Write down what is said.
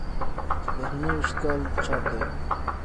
د نهه ویشت کال چاپ دی.